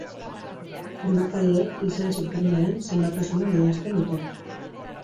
Zenbatzaileek izen-sintagmaren zenbatasuna adierazten dute.